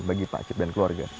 bagi pak acip dan keluarga